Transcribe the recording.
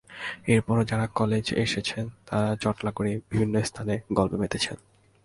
এরপরও যাঁরা কলেজে এসেছেন, তাঁরা জটলা করে বিভিন্ন স্থানে গল্পে মেতেছেন।